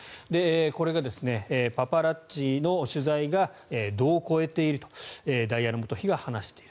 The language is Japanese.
これがパパラッチの取材が度を越えているとダイアナ元妃は話している。